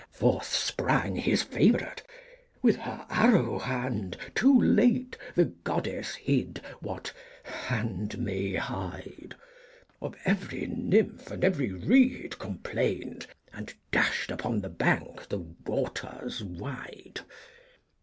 " Forth sprang his favourite — with her arrow hand Too late the goddess hid what hand may hide, Of every nymph and every reed complain'd, And dashed upon the bank the waters wide.